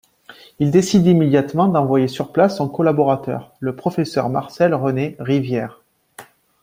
Il décide immédiatement d'envoyer sur place son collaborateur, le professeur Marcel-René Rivière.